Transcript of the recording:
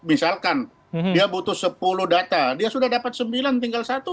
misalkan dia butuh sepuluh data dia sudah dapat sembilan tinggal satu